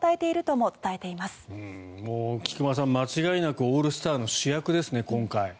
もう菊間さん間違いなく今回オールスターの主役ですね。